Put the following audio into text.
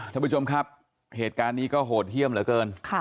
ทุกคนคับเหตุการณ์นี้ก็โหดเยี่ยมเหลือเกิน